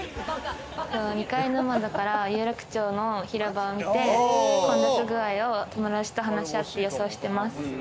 ２階の窓から有楽町の広場を見て、混雑具合を友達と話し合って予想してます。